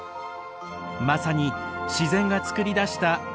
まさに自然がつくり出したアート。